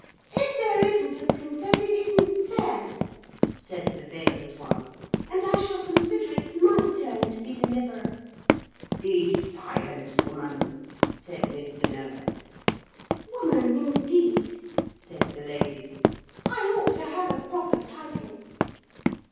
'If there isn't a princess it isn't fair,' said the veiled one; 'and I shall consider it's my turn to be Deliverer.' 'Be silent, woman,' said Mr. Noah. 'Woman, indeed,' said the lady. 'I ought to have a proper title.'